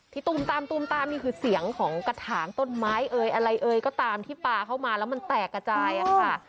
ที่ตูมตามนี่คือเสียงของกระถางต้นไม้อะไรก็ตามที่ปลาเข้ามาแล้วมันแตกกระจายค่ะ